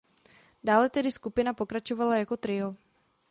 Dále tedy skupina pokračovala jako trio.